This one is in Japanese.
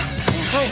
はい！